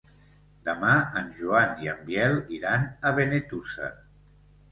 Demà en Joan i en Biel iran a Benetússer.